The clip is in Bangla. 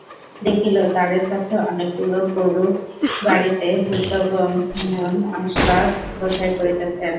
দেখিল, দ্বারের কাছে অনেকগুলা গোরুর গাড়িতে ভৃত্যগণ আসবাব বোঝাই করিতেছে।